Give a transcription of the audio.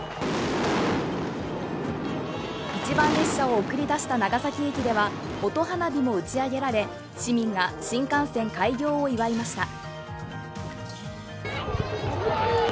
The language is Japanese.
一番列車を送り出した長崎駅では音花火も打ち上げられ市民が新幹線開業を祝いました。